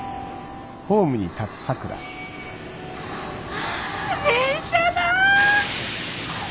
ああ電車だ！